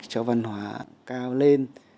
cho văn hóa cao lên